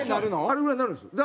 あれぐらいになるんですよ。